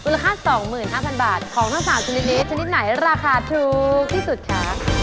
ค่า๒๕๐๐บาทของทั้ง๓ชนิดนี้ชนิดไหนราคาถูกที่สุดคะ